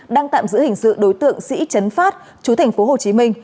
đang tạm giữ hình sự đối tượng sĩ chấn phát chú thành phố hồ chí minh